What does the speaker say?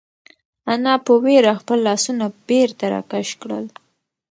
انا په وېره خپل لاسونه بېرته راکش کړل.